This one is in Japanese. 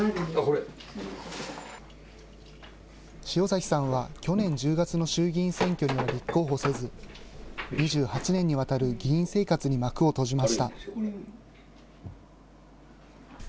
塩崎さんは、去年１０月の衆議院選挙には立候補せず、２８年にわたる議員生活に幕を閉じました。